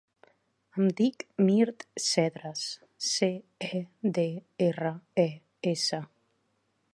Em dic Mirt Cedres: ce, e, de, erra, e, essa.